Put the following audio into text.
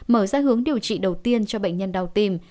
mở ra hướng điều trị đầu tiên cho bệnh nhân đau tim